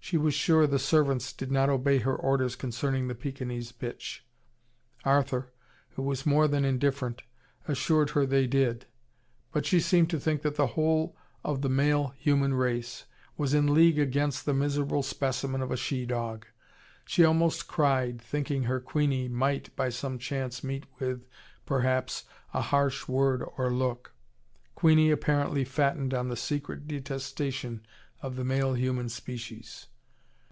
She was sure the servants did not obey her orders concerning the Pekinese bitch. Arthur, who was more than indifferent, assured her they did. But she seemed to think that the whole of the male human race was in league against the miserable specimen of a she dog. She almost cried, thinking her Queenie might by some chance meet with, perhaps, a harsh word or look. Queenie apparently fattened on the secret detestation of the male human species.